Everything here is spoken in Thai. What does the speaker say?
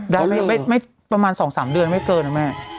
ได้ไม่ประมาณ๒๓เดือนไม่เกินนะแม่